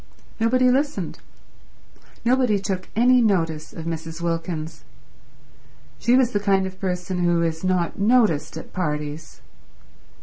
Nobody listened. Nobody took any notice of Mrs. Wilkins. She was the kind of person who is not noticed at parties.